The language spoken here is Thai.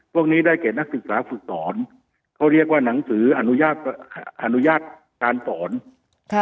พวกนี้ได้แก่นักศึกษาฝึกสอนเขาเรียกว่าหนังสืออนุญาตอนุญาตการสอนค่ะ